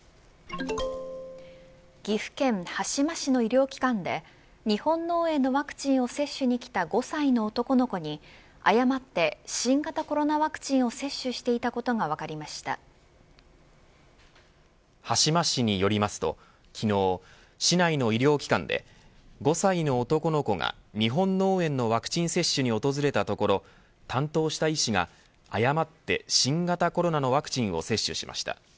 岐阜県羽島市の医療機関で日本脳炎のワクチンを接種しに来た５歳の男の子に誤って新型コロナワクチンを接種していたことが羽島市によりますと昨日、市内の医療機関で５歳の男の子が日本脳炎のワクチン接種に訪れたところ担当した医師が、誤って新型コロナのワクチンを接種しました。